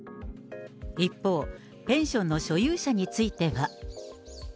一方、ペンションの所有者については。